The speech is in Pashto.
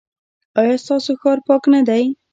ایا ستاسو ښار پاک نه دی؟